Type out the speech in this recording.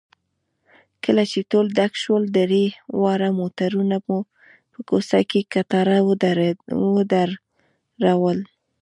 کله چې ټول ډک شول، درې واړه موټرونه مو په کوڅه کې کتار ودرول.